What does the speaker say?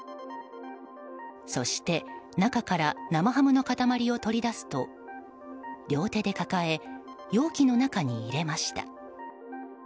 そして、中から生ハムの塊を取り出すと両手で抱え容器の中に入れました。